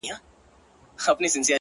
• له پاچا او له رعیته څخه ورک سو,